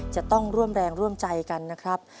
จะต้องร่วมแรงร่วมใจกันนะครับ